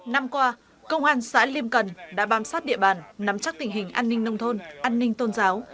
năm qua công an xã liêm cần đã bám sát địa bàn nắm chắc tình hình an ninh nông thôn an ninh tôn giáo